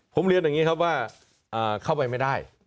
ผมเรียนอย่างนี้ครับว่าเข้าไปไม่ได้